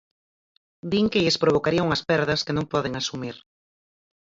Din que lles provocaría unhas perdas que non poden asumir.